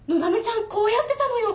こうやってたのよ。